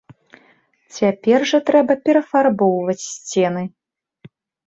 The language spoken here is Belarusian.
Цяпер жа трэба перафарбоўваць сцены.